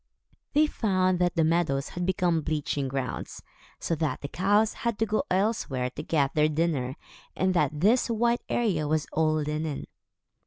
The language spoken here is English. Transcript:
They found that the meadows had become bleaching grounds, so that the cows had to go elsewhere to get their dinner, and that this white area was all linen.